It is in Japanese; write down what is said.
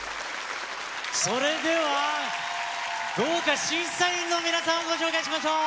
それでは、豪華審査員の皆さんをご紹介しましょう。